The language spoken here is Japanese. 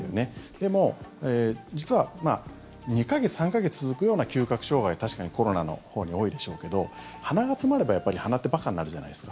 でも実は２か月、３か月続くような嗅覚障害確かにコロナのほうに多いでしょうけど鼻が詰まれば、やっぱり鼻って馬鹿になるじゃないですか。